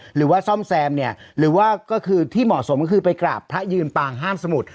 หรือว่าซ่อมแซมเนี่ยหรือว่าก็คือที่เหมาะสมก็คือไปกราบพระยืนปางห้ามสมุทร